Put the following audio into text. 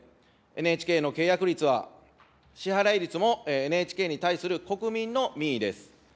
ＮＨＫの契約率は、支払い率もＮＨＫに対する国民の民意です。